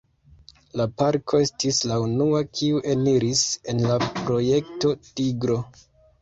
La parko estis la unua kiu eniris en la Projekto Tigro.